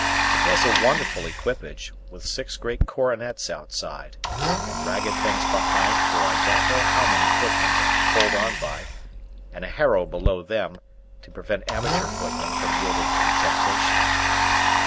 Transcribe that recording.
It was a wonderful equipage, with six great coronets outside, and ragged things behind for I don't know how many footmen to hold on by, and a harrow below them, to prevent amateur footmen from yielding to the temptation.